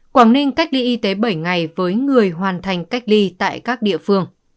quảng ninh cách ly y tế bảy ngày với người hoàn thành cách ly tại các địa phương